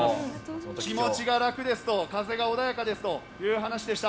気持ちが楽ですと風が穏やかですという話でした。